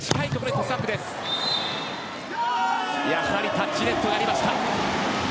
タッチネットがありました。